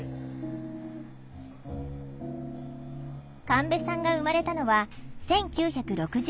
神戸さんが生まれたのは１９６３年。